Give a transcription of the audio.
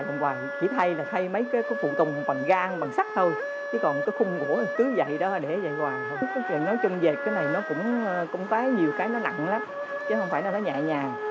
nó cũng phải nhiều cái nó nặng lắm chứ không phải là nó nhẹ nhàng